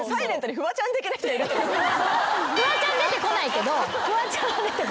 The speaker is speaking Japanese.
フワちゃんは出てこないんだけど。